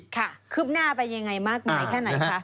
ค่ะคืบหน้าไปอย่างไรมากมายแค่ไหนคะ